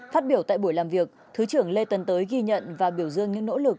phát biểu tại buổi làm việc thứ trưởng lê tấn tới ghi nhận và biểu dương những nỗ lực